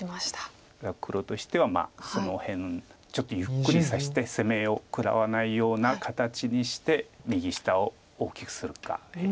黒としてはその辺ちょっとゆっくりさせて攻めを食らわないような形にして右下を大きくするか。